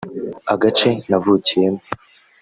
Agace navukiyemo